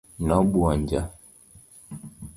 nobwonjo